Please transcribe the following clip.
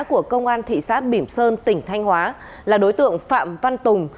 của công an thị xã bỉm sơn tỉnh thanh hóa là đối tượng phạm văn tùng